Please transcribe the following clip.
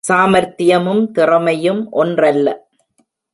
சாமார்த்தியமும் திறமையும் ஒன்றல்ல.